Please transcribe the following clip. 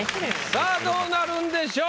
さあどうなるんでしょう？